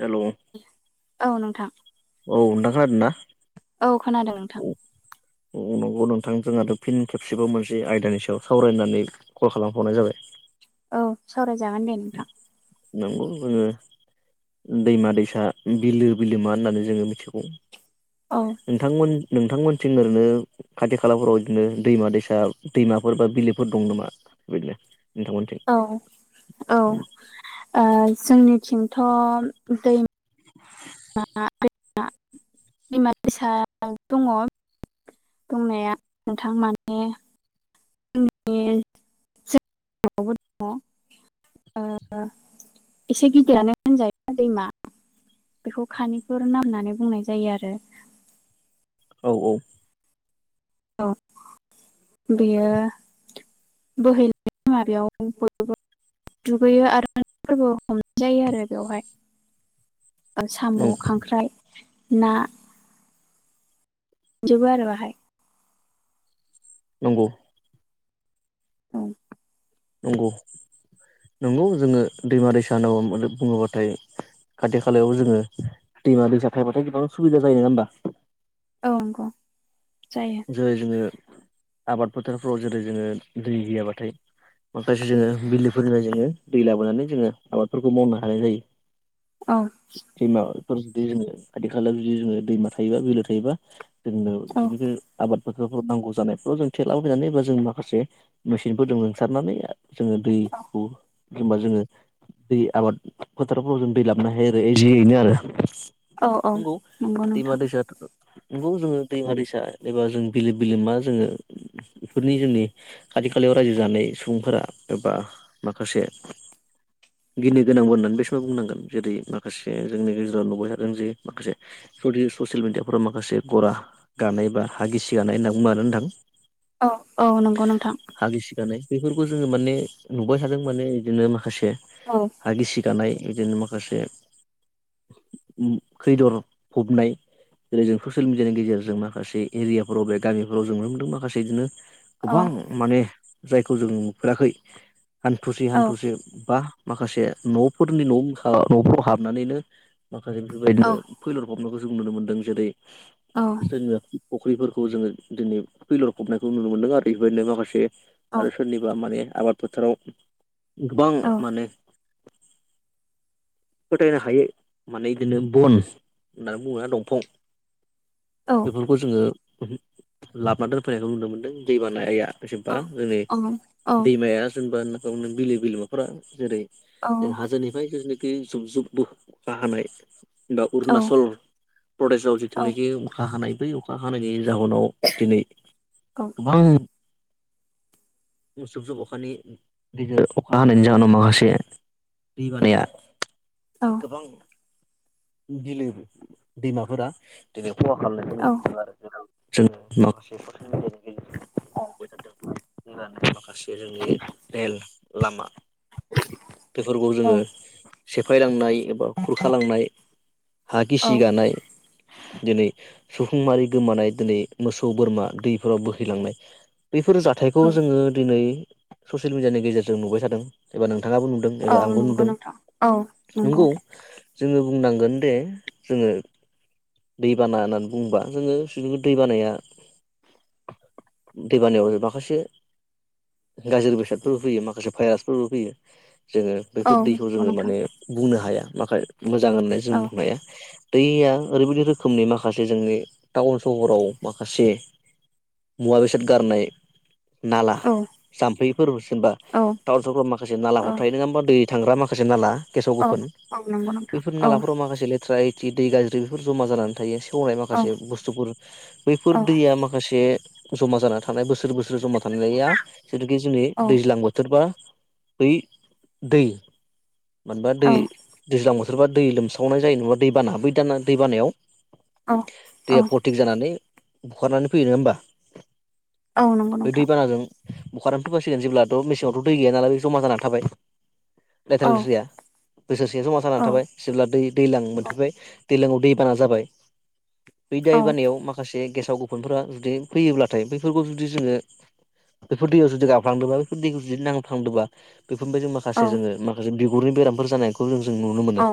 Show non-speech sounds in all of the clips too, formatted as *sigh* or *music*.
Hello औ नोंथां औ नोंथाङा खोनादों ना? औ खोनादों औ नोंथां। औ नंगौ नोंथां जोंहाथ' फिन खेबसेबो मोनसे आयदानि सायाव सावरायनानै कल खालामबावनाय जाबाय। औ सावरायजागोन दे नोंथां। नंगौ जोङो दैमा दैसा बिलो बिलोमा होननानै जोङो मिथिगौ औ नोंथांमोन नोंथांमोन थिं ओरैनो खाथि खालाफोराव बिदिनो दैमा दैसा दैमाफोर बा बिलोफोर दं नामा बेबायदिनो? नोंथांमोनथिं औ औ जोंनिथिंथ' दै दैमा दैसा दङ। दंनाया नोंथां माने *unintelligible* औ दं एसे गिदिरानो होनजायो दैमा बेखौ खानिपुर नाम होननानै बुंनाय जायो आरो। औ औ औ बेयो बोहैनाय माबायाव गोलैयो। दुगैयो आरो फोरबो हमनाय जायो आरो बेवहाय। साम' नंगौ खांख्राइ ना मोनजोबो आरो बाहाय। नंगौ औ नंगौ नंगौ जोङो दैमा दैसा होननानै बुङोब्लाथाय खाथि खालायाव जोङो दैमा दैसा थायबाथाय गोबां सुबिदा जायो नङा होमबा औ नंगौ जायो जेरै जोङो आबाद फोथारफ्राव जेरै जोङो दै गैयाब्लाथाय माखासे जोङो बिलोफोरनिफ्राय जोङो दै लाबोनानै जोङो आबादफोरखौ मावनो हानाय जायो औ दैमाफोर जुदि जोङो खाथि खालायाव जुदि जोङो दैमा थायोबा बिलो थायोबा जोंनो औ बे आबाद नांगौ जानायफ्राव जों थेलाबायनानैबा जों माखासे मेसिनफोरदों लोंसारनानै जोङो दैखौ एखबा जोङो दै आबाद फोथारफोराव जों दै लाबोननो हायो आरो इ जियैनो आरो औ औ नंगौ दैमा नोंथां दैसा नंगौ जोङो दैमा दैसा एबा जों बिलो बिलो मा जोङो बेफोरनि जोंनि खाथि खालायाव रायजो जानाय सुबुंफोरा एबा माखासे गिनो गोनांबो होननानै बे समाव बुंनांगोन जेरै माखासे जोंनि गेजेराव नुबाय थादों जे माखासे जुदि ससियेल मिडियाफोराव माखासे गरा गानाय बा हा गिसि गानाय होनना बुंङो ना ओनथां औ औ नंगौ नोंथां गानाय बेफोरखौ जोङो माने नुबाय थादों माने बिदिनो माखासे औ हा गिसि गानाय बिदिनो माखासे खैदर फबनाय जेरै जों ससियेल मिडियानि गेजेरजों माखासे एरियाफोराव बे गामिफोराव जों नुनो मोनदों माखासे बिदिनो औ गोबां माने जायखौ जोङो नुफेराखै हान्थुसे औ हान्थुसे बा माखासे न'फोरनि न'खा न'फोराव हाबनानैनो माखासे औ बेफोरबायदिनो फैलर बयनोबो जों नुनो मोनदों जेरै औ जोङो फुख्रिफोरखौ जोङो दिनै फैलर फबनायखौ नुनो मोन्दों आरो बेबायदिनो माखासे औ आरो सोरनिबा माने आबाद फोथाराव गोबां औ माने *inaudible* फोथायनो हायो माने बिदिनो बन होननानै बुङोबा दंफां औ बेफोरखौ जोङो लाबोना दोनफैनायखौ नुनो मोनदों दै बानाया जेसेबा जोंनि औ दैमाया जेनेबा होनना बिलो बिलोमाफोरा जेरै जों हाजोनिफ्राय जेनिखि जुब जुबबो बा हानाय बा अरुणाचल प्रदेशाव जिथुनाखि अखा हानाय बै अखा हानायनि जाहोनाव दिनै गोबां जुब जुब अखानि गदिर अखा हानायनि जाहोनाव माखासे दै बानाया गोबां गिदिर दैमाफोरा खहा औ खालामनायखौ नुनो जों औ थादों होननानै माखासे जोंनि रेल लामा बेफोरखौ जोङो औ सेफायलांनाय एबा खुरख लांनाय हा गिसिखानाय दिनै सुबुंमारि गोमानाय दिनै मोसौ बोरमा दैफोराव बोहैलांनाय बेफोर जाथायखौ जोङो दिनै ससियेल मिडियानि गेजेरजों नुबाय थादों एबा नों नोंथाङाबो नुदों औ एबा आंबो नंगौ नुदों नोंथां औ नंगौ जोङो बुंनांगोन दे जोङो दैबाना होननानै बुङोबा जोङो दै बानाया दैबानायाव माखासे गाज्रि बेसादफोरबो फैयो माखासे भाइरासफोरबो फैयो जोङो औ बेफोर दैखौ नंगौ जोङो नोंथां माने बुंनो हाया माखा मोजां होननानै जों औ बुंनो हाया दैया ओरैबायदि रोखोमनि माखासे जोंनि टाउन सहराव माखासे। मुवा बेसाद गारनाय नाला औ जाम्फैफोर जेनबा औ टाउन सहराव माखासे औ नालाखौ थाहनो नङा होनबा दै। थांग्रा माखासे नाला गेसाव औ गोफोन औ नंगौ नोंथां बेैफोर औ नालाफोराव माखासे लेथ्रा। जि दै गाज्रि बेफोर जमा जानानै थायो सेवनाय औ माखासे बुस्थुफोर बैफोर औ दैया माखासे जमा जानानै थानाय बोसोर बोसोर जमा थानाया जेरुखि जोंनि दैज्लां बोथोरबा। बै दै बा दै दैज्लां बोथोराव दै लोमसावनाय जायोेनबा दैबाना बै दाना दैबानायाव। औ औ दैया फतिक जानानै बुखारनानै फैयो नङा होमबा? औ नंगौ नोंथां। बुखारानानै फैबासिगोन जेब्लाथ' मेसेङावथ' दै गैया नालाय बे जमा जानानै थाबाय। औ लेथ्रा लेथ्रिया बोसोरसेयास' औ जानानै थाबाय जेब्ला दै दैज्लां मोनफैबाय दैलाङाव दैबाना जाबाय बै दै बानायाव माखासे गेसाव गुफुनफोरा जुदि फैयोब्ला। नाथाय बेैफोरखौ जुदि जोङो बेफोर दैयाव जुदि गाबफ्लांदोंबा बेफोर दैखौ जुदि नांफ्लांदोंबा। बेफोरबायदि औ माखासे जोङो माखासे बिगुरनि बेरामफोर जानायखौ जों जों नुनो मोनो औ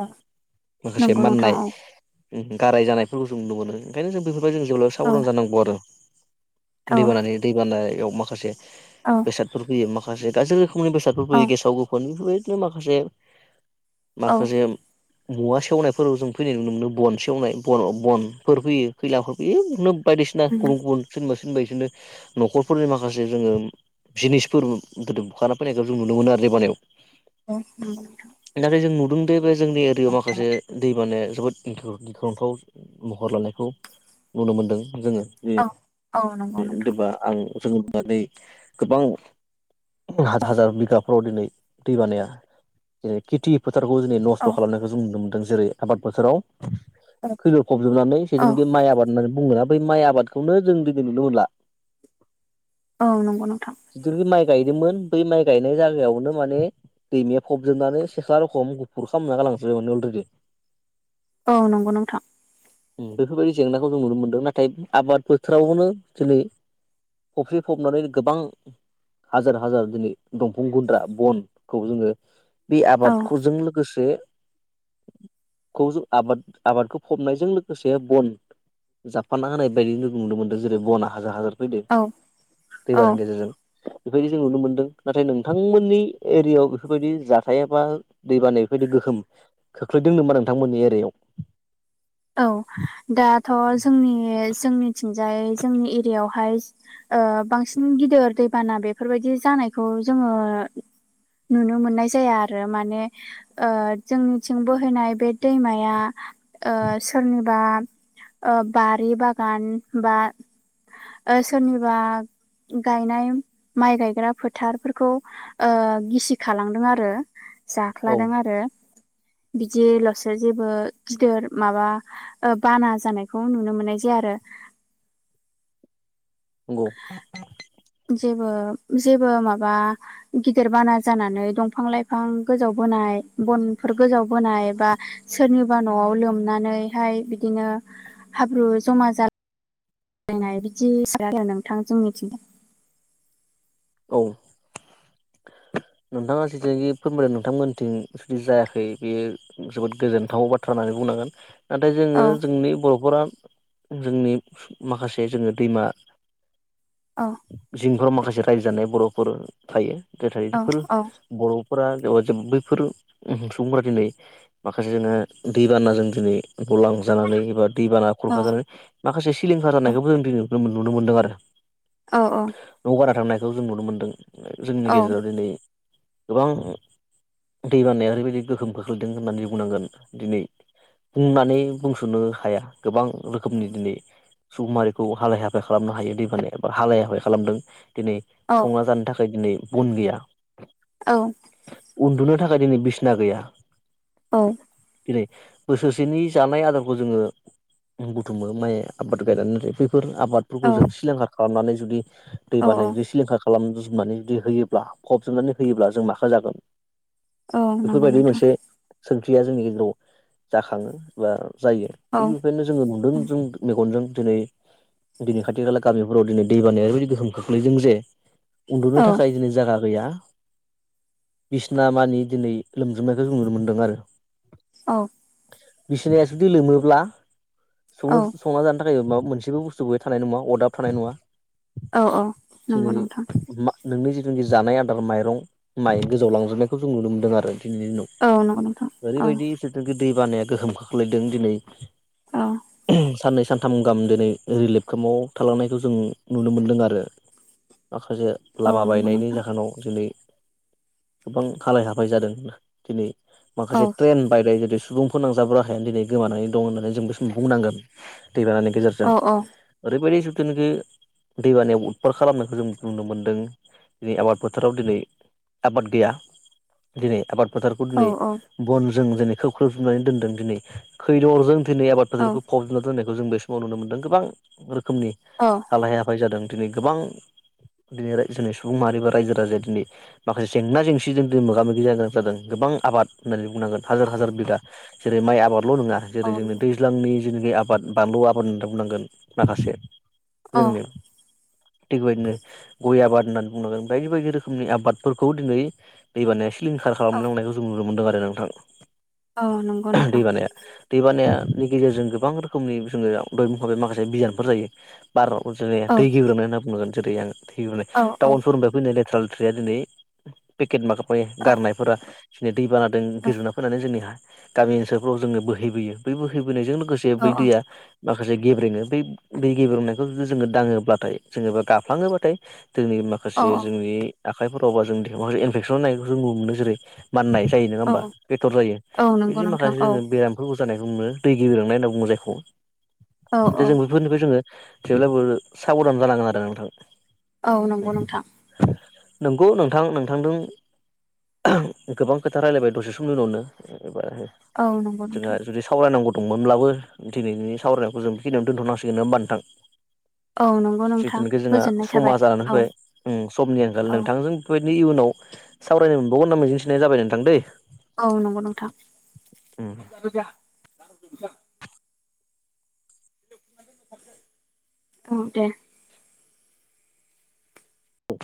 माखासे नंगौ नोंथां माननाय औ गाराय जानायफोरखौ जों नु मोनो ओंखायनो जों बेफोरबायदि जों जेब्लाबो औ साबधान जानांगौ आरो औ दैबानि दैबानायाव माखासे औ बेसादफोर फैयो माखासे गाज्रि समनि बेसादफोर औ फैयो गेसाव गोफोनि बेबायदिनो माखासे औ माखासे मुवा सेवनायफोराव जों फैनाय नुो बन सेवनाय बनफोर फैयो खैलाफोर फैयोनो। बायदिसिना उम गुबुन गुबुन सोरनिबा सोरबा बिसनो न'खरफोरनि माखासे जोङो जिनिसफोर गोदोम बुखारना फैनायखौ जों नुनो मोनो आरो दैेबानायाव। ओ ओम उदुंन्दै बे जोंनि एरियाव माखासे दै माने जोबोद गिख्रंथाव महर लानायखौ नुनो मोनदों जोङो। औ औ नंगौ। जों नुनाय जायो जों गोबां हाजार बिगाब। फोराव दिनै दै बानाया दिनै खेथि फोथारखौ दिनै नस्थ' औ खालामनायखौ जों नुनो मोनदों। जेरै आबाद बोथोराव खैलर फबजोबनानै औ जेथनाखि माइ आबाद होननानै बुंदोंना? बै माइ आबादखौनो जों दिनै नुनो मोनला। औ नंगौ नोंथां। जिथुनाखि माइ गायदोंमोन बै माइ गायनाय जायगायावनो माने। दैमाया फबजोबनानै सेख्ला रखम गुफुर खालामना गालांजोबबाय माने अलरेडि। औ नंगौ नोंथां। बेफोरबायदि जेंनाखौ जों नुनो मोनदों नाथाय आबाद बोथोरावनो दिनै। फख्रिफबनानै गोबां हाजार हाजार दिनै दंफां गुन्द्रा बनखौ जोङो बे औ आबादखौजों लोगोसे खौ जों आबाद आबादखौ फबनायजों लोगोसे बन जाबफाना होनाय बायदि नुनो मोनदों जेरै बना हाजार हाजार फैदों औ औ दैबानि गेजेरजों‌। बेबायदि जों नुनो मोनदों नाथाय नोंथांमोननि एरियायाव बेफोरबायदि जाथाय बा दै बानाया बेबायदि गोहोम खोख्लैदों नामा नोंथांमोननि एरियाव औ दाथ' जोंनि जोंनिथिंजाय जोंनि एरियायावहाय बांसिन गिदिर दैबाना बेफोरबायदि जानायखौ जोङो। नुनो मोननाय जाया आरो माने जोंनिथिं बोहैनाय बे दैमाया ओ सोरनिबा बारि बागान बा सोरनिबा गायनाय माइ गायग्रा फोथारफोरखौ गिसिखालांदों आरो। औ जाख्लादों आरो बिदिल'सो जेबो गिदोर माबा बाना जानायखौ नुनो मोननाय जाया आरो। नंगौ जेबो जेबो माबा गिदिर बाना जानानै दंफां लाइफां गोजावबोनाय बनफोर गोजावबोनाय बा सोरनिबा न'आव लोमनानैहाय बिदिनो हाब्रु जमा जाला मिलायनाय बिदियानोसै आरो नोंथां जोंनिथिं औ नोंथाङा जेथुनाखि फोरमायदों नोंथांमोनथिं जुदि जायाखै बेयो जोबोद गोजोनथाव बाथ्रा होननानै बुंनांगोन नाथाय जोङो औ जोंनि बर'फोरा जोंनि माखासे जोङो दैमा औ जिफोराव माखासे रायजो जानाय बर'फोर थायो नाथाय औ बेफोर औ बर' फोरा बैफोर सुबुंफोरा दिनै माखासे जोंना दै बानाजों दिनै गलां जानानै एबा दैबाना औ खुरखा जानानै माखासे सिलिंखार जानायखौबो जों दिनै नुनो मोनदों आरो औ औ न'आव बारा थांनायखौ जों नुनो मोनदों जोंनि औ गेजेराव दिनै गोबां दै बानाया ओरैबायदि गोहोम खोख्लैदों होननानै बुंनांगोन दिनै बुंनानै बुंस'नो हाया गोबां औ रोखोमनि दिनै सुबुं मारिखौ हालाय हाफाय खालामनो हायो दैबानाया एबा हालाय हाफाय खालामदों दिनै संना जानो थाखाय दिनै बन गैया औ उन्दुनो थाखाय दिनै बिसना गैया औ दिनै बोसोरसेनि जानाय आदारखौ जोङो बुथुमो माइ आबादखौ गायनानै बेफोर औ आबादफोरखौ जों सिलिंखार खालामनानै जुदि दै औ बानाया खालामजोबनानै जुदि होयोब्ला फबजोबनानै होयोब्ला जों माखौ जागोन औ नंगौ बेफोरबायदि नोंथां मोनसे सोंथिया जोंनि गेजेराव जाखाङो बा जायो औ थिग बेखौनो जोङो औ नुदों जों मेगनजों दिनै दिनै खाथि खाला गामिफोराव दिनै दै बानाया ओरैबायदि गोहोम खोख्लैदों जे औ उन्दुनो थाखाय दिनै जायगा गैया बिसिना मानि दिनै लोमजोबनायखौ जों नुनो मोन्दों आरो औ बिसिनाया जुदि लोमोब्ला औ सनो संना जानो थाखाय जा मोनसेबो बुस्थुबो थानाय नङा अदाब थानाय नङा औ औ दिनै नंगौ नोंथां नोंनि जिथुनाखि जानाय आदार माइरं माइ गोजाव लांजोबनायखौ जों नुनो मोनदों आरो औ नंगौ नोंथां औ ओरैबायदि दै बानाया गोहोम खोख्लैदों दिनै औ साननैसो सानथाम गाहाम दिनै रिलिफ केम्पआव थालांनायखौ जों नुनो मोन्दों आरो माखासे औ लामा नंगौ बायनायनि नोंथां जाहोनाव दिनै गोबां हालाय हाफाय जादों दिनै औ माखासे ट्रेन बायनाय जेरै सुबुं सुबुं फोनांजाब राहायाानो दिनै गोमानानै दं होननानै जों बे समाव बुंनांगोन दैबानानि गेजेरजों औ औ ओरैबायदि जिथुनाखि दैबानायाव खर खालामनायखौ जों नुनो मोन्दों दिनै आबाद फोथाराव दिनै आबाद गैया दिनै आबाद फोथारखौ औ दिनै बनजों दिनै खोब खोबसिननानै दोनदों दिनै खैदरजों दिनै आबाद औ फोथारफोरखौ फबजना दोननायखौ जों बे समाव नुनो मोनदों गोबां रोखोमनि औ हालहाय हाफाय जादों दिनै गोबां दिनै जोंनि सुबुं माहारि बा रायजो राजाया दिनै माखासे जेंना जेंसिजों दिनै मोगा मोगि जानो गोनां जादों गोबां आबाद होन्नानै बुंनांगोन हाजार हाजार बिघा जेरै माइ आबादल' नङा औ जेरै जोंनि दैज्लांनि जेनाखि आबाद बानलु आबाद होनना बुंनांगोन माखासे जोंनि थिगबायदिनो गय आबाद होननानै बुंनांगोन बायदि बायदि रोखोमनि आबादफोरखौ दिनै दै बानाया सिफाय सिलिंकार खालामलांनायखौ जों नुनो मोनदों आरो नोंथां औ नंगौ नोंथां दैबानानि गेजेरजों गोबां रोखोमनि जोङो दहाय बुंखाबाय माखासे बिजानुफोर जायो बार' जोङो औ दै गेग्रोंननाय होनना बुंगोन जेरै आं दै ग्रोननाय औ औ टाउनफोरनिफ्राय फैनाय लेथरा लेथ्रि लेथ्रिया दिनै पेकेट माबा मा गारनायफोरा दिनै दै बानाजों गोजावना फैनानै जोंहा गामि ओनसोलफ्राव जोङो बोहैबोयो बै बोहैबोनायजों लोगोसे बै दैया माखासे माखासे गेब्रेङो ब बे गेब्रेनायखौ जोङो दाङोब्लाथाय जोङो बा गाफ्लाङोब्लाथाय जोंनि माखासे जोंनि आखाइफोरावबा जोंनि माखासे इनफेकसन होननायखौ जों नुनो मोनो जेरै माननाय जायो नङा होमबा बेदर जायो बिदि माखासे जोङो बेरामफोरखौ जानायखौ बुंनो दै गेग्रेंनाय होनना बुङो जायखौ दा बेफोरनिफ्राय जों बेफोरनिफ्राय जोङो जेवब्लाबो साबधान जानांगोन आरो नोंथां औ नंगौ नोंथां नंगौ नोंथां नोंथांजों गोबां खोथा रायलायबाय दसे समनि उनावनो एबार औ नंगौ नोंथां जोंहा जुदि सावरायनांगौ दंमोनब्लाबो दिनैनि सावरायनायखौ जों बेखिनियाव दोन्थ'नांसिगोन न होमबा नोंथां औ नंगौ नोंथां जिथुनाखि जोंहा गोजोननाय समा थाबाय जानानै औ फोयबाय समनि आंखाल औ नोंथांजों बेबायदिनो इयुनाव सावरायनो मोनबावगोन होनामा मिजिं थिनाय जाबाय नोंथां दै औ नंगौ नोंथां उम औ दे औ